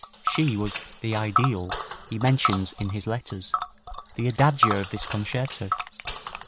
She was "the ideal" he mentions in his letters, the adagio of this concerto.